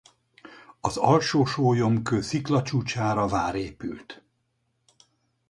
Az Alsó-Sólyomkő sziklacsúcsára vár épült.